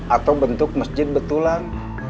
atau bentuk masjid betulan